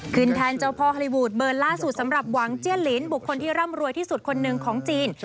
แทนเจ้าพ่อฮอลลีวูดเบอร์ล่าสุดสำหรับหวังเจี้ยลินบุคคลที่ร่ำรวยที่สุดคนหนึ่งของจีน